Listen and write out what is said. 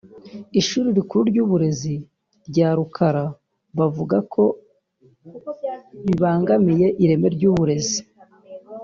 ishuri rikuru ry’uburezi rya Rukara bavuga ko bibangamiye ireme ry’uburezi